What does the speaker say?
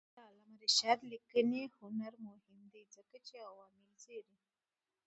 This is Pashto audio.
د علامه رشاد لیکنی هنر مهم دی ځکه چې عوامل څېړي.